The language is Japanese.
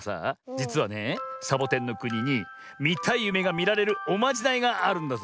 じつはねえサボテンのくににみたいゆめがみられるおまじないがあるんだぜえ。